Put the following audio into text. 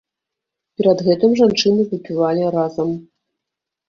Перад гэтым жанчыны выпівалі разам.